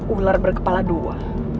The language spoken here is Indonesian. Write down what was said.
ular berkepala dua